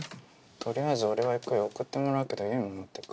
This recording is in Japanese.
「とりあえず俺は行くよ送ってもらうけど結衣も乗ってく？」